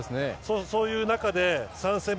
そういう中で３戦目